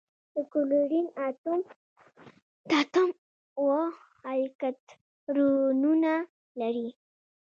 د کلورین اتوم اوه الکترونونه لري.